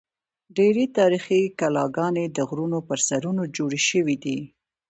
ډېری تاریخي کلاګانې د غرونو پر سرونو جوړې شوې دي.